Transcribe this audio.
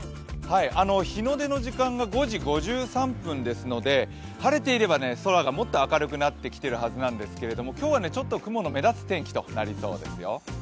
日の出の時間が５時５３分ですので晴れていれば空がもっと明るくなってきてるんですけれども今日はちょっと雲の目立つ天気となりそうですよ。